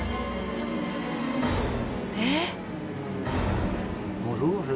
えっ。